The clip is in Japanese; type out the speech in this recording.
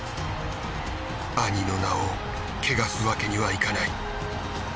兄の名を汚すわけにはいかない。